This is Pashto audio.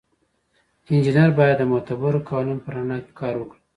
انجینر باید د معتبرو قوانینو په رڼا کې کار وکړي.